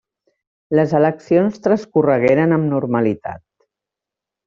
Les eleccions transcorregueren amb normalitat.